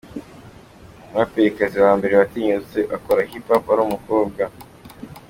muraperikazi wa mbere watinyutse akora hip hop ari umukobwa.